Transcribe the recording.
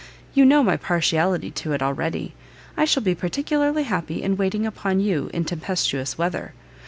You know my partiality to it already. I shall be particularly happy in waiting upon you in tempestuous weather!